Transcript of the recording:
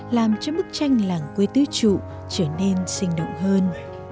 làm cho bức tranh làng quê tứ trụ trở nên sinh động hơn